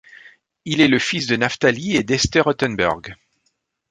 Il est le fils de Naphtali et d'Esther Rottenberg.